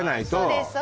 そうです